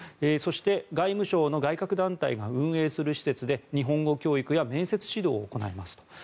そして、外務省の外郭団体が運営する施設で日本語教育や面接指導を行いますと。